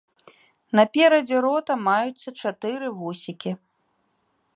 Наперадзе рота маюцца чатыры вусікі.